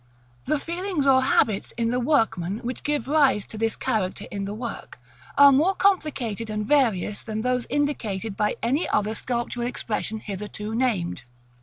The feelings or habits in the workman which give rise to this character in the work, are more complicated and various than those indicated by any other sculptural expression hitherto named.